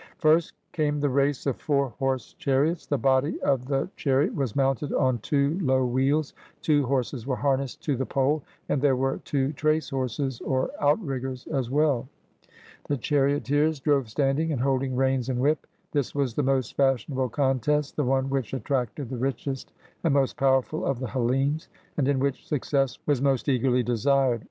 First came the race of four horse chariots. The body ^ A stadium was equal to about six hundred and seven feet. 68 AT THE OLYMPIAN GAMES of the chariot was mounted on two low wheels, two horses were harnessed to the pole, and there were two trace horses or outriggers as well. The charioteers drove standing, and holding reins and whip. This was the most fashionable contest, the one which attracted the richest and most powerful of the Hellenes, and in which success was most eagerly desired.